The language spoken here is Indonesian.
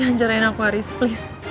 jangan cerain aku haris please